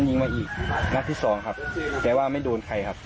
ยิงมาอีกนัดที่สองครับแต่ว่าไม่โดนใครครับ